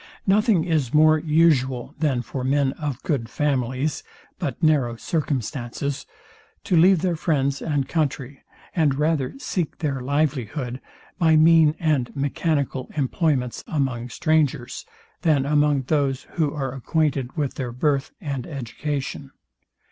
Nothing is more usual than for men of good families, but narrow circumstances, to leave their friends and country, and rather seek their livelihood by mean and mechanical employments among strangers, than among those, who are acquainted with their birth and education.